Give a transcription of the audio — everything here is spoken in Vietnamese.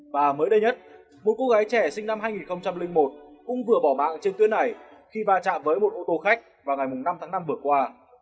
và mới đây nhất một cô gái trẻ sinh năm hai nghìn một cũng vừa bỏ mạng trên tuyến này khi va chạm với một ô tô khách vào ngày năm tháng năm vừa qua